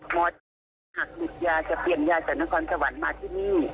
หมอเจี๊ยหากหยุดยาจะเปลี่ยนยาจากนครสวรรค์มาที่นี่